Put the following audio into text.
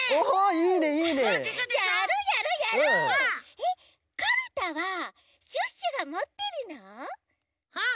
えっカルタはシュッシュがもってるの？